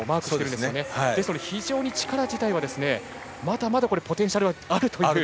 ですので非常に力自体はまだまだポテンシャルがあるという。